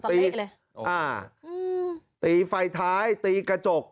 ตีไฟท้ายตีกระจก